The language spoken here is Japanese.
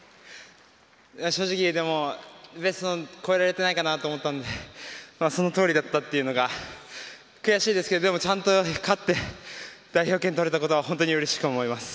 正直、ベストを超えれてないかなと思ったのでその通りだったっていうのが悔しいですけどでも、ちゃんと勝って代表権を取れたことは本当にうれしく思います。